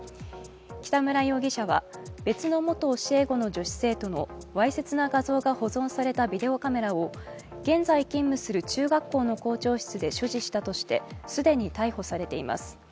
北村容疑者は別の元教え子の女子生徒のわいせつな画像が保存されたビデオカメラを現在勤務する中学校の校長室で所持したとして既に逮捕されています